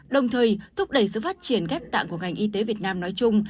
đồng thời thúc đẩy sự phát triển ghép tạng của ngành y tế việt nam nói chung